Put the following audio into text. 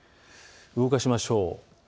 動かしましょう。